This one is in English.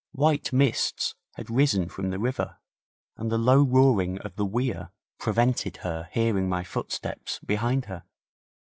White mists had risen from the river, and the low roaring of the weir prevented her hearing my footsteps behind her.